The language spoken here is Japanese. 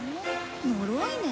のろいね。